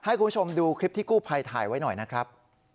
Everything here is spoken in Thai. ให้คุณผู้ชมดูคลิปที่กู้ภัยถ่ายไว้หน่อยนะครับ